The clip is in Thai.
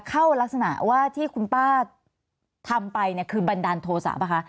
เข้ารักษณะว่าที่คุณป้าทำไปคือบันดาลโทสะป่ะคะ